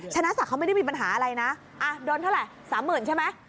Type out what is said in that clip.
ชนะศักดิ์เขาไม่ได้มีปัญหาอะไรนะโดนเท่าไหร่๓๐๐๐ใช่ไหม